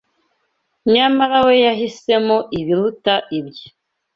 Nyamara we yahisemo ibiruta ibyo